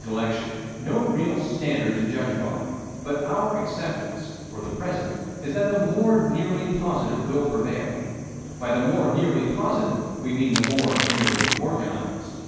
There is, in human intellection, no real standard to judge by, but our acceptance, for the present, is that the more nearly positive will prevail. By the more nearly positive we mean the more nearly Organized.